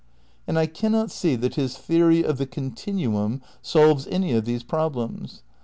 And I cannot see that his theory of the continuum solves any of these problems.